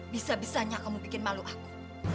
bisa bisanya kamu bikin malu aku